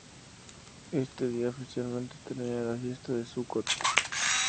Este día oficialmente termina la fiesta de Sucot.